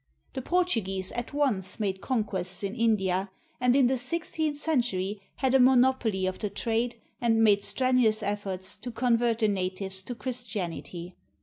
The Portuguese at once made conquests in India, and in the sixteenth century had a monopoly of the trade and made strenuous efforts to convert the natives to Christianity.